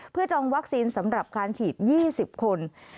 เพื่อจองวัคซีนสำหรับการฉีด๒๐คน